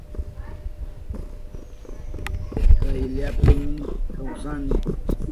Kayllapimi kawsani.